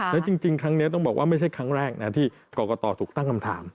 และจริงครั้งนี้ต้องบอกว่าไม่ใช่ครั้งแรกนะที่กรกตถูกตั้งคำถาม